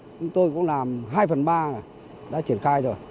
chúng tôi cũng làm hai phần ba là đã triển khai rồi